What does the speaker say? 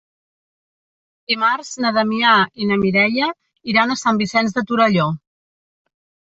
Dimarts na Damià i na Mireia iran a Sant Vicenç de Torelló.